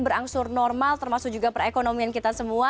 berangsur normal termasuk juga perekonomian kita semua